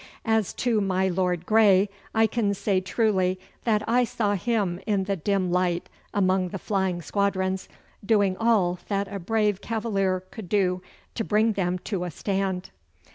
As to my Lord Grey, I can say truly that I saw him in the dim light among the flying squadrons, doing all that a brave cavalier could do to bring them to a stand.